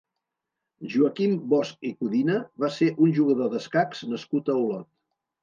Joaquim Bosch i Codina va ser un jugador d'escacs nascut a Olot.